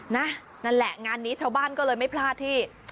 นั่นแหละงานนี้ชาวบ้านก็เลยไม่พลาดที่